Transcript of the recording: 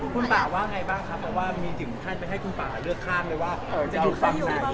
คุณป่าว่าไงบ้างครับว่ามีสิ่งที่ให้คุณป่าเลือกข้างเลยว่าจะเอาคลังไหน